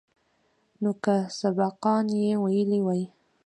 نو که سبقان يې ويلي واى.